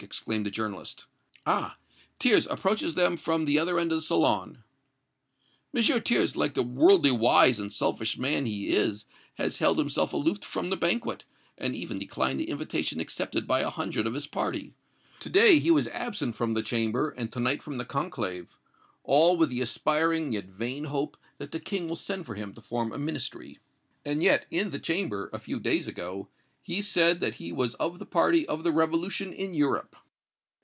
exclaimed the journalist. "Ah! Thiers approaches them from the other end of the salon!" "M. Thiers, like the worldly wise and selfish man he is, has held himself aloof from the banquet, and even declined the invitation accepted by a hundred of his party; to day he was absent from the Chamber and to night from the conclave, all with the aspiring, yet vain hope, that the King will send for him to form a Ministry." "And yet, in the Chamber, a few days ago, he said that he was of the party of the revolution in Europe."